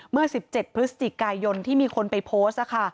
เมื่อ๑๗พฤศจิกายนที่มีคนไปโพสต์